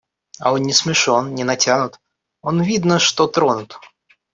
А он не смешон, не натянут, он видно, что тронут.